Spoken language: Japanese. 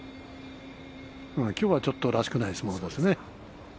きょうは、ちょっとらしくない相撲ですね。